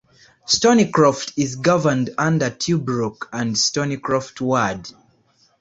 Stoneycroft is governed under Tuebrook and Stoneycroft ward.